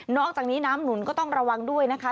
อกจากนี้น้ำหนุนก็ต้องระวังด้วยนะคะ